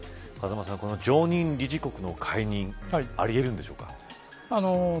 風間さん、常任理事国の解任もあり得るんでしょうか。